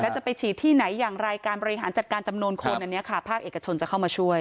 จะไปฉีดที่ไหนอย่างไรการบริหารจัดการจำนวนคนอันนี้ค่ะภาคเอกชนจะเข้ามาช่วย